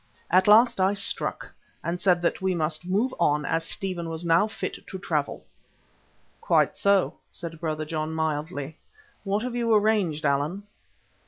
At last I struck and said that we must move on as Stephen was now fit to travel. "Quite so," said Brother John, mildly. "What have you arranged, Allan?"